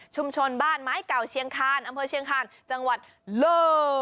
บ้านไม้เก่าเชียงคานอำเภอเชียงคาญจังหวัดโล